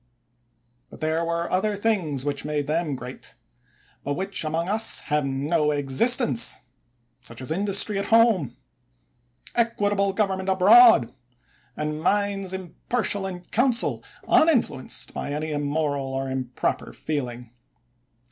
But there were other things which made them great, but which among us have no existence — such as industry at home, equitable government abroad, and minds impar tial in council, uninfluenced by any immoral or improper feeling.